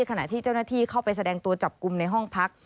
ขณะที่เจ้าหน้าที่เข้าไปแสดงตัวจับกลุ่มในห้องพัก